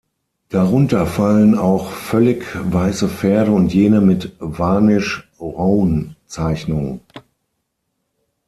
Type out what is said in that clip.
Darunter fallen auch völlig weiße Pferde und jene mit Varnish-Roan-Zeichnung.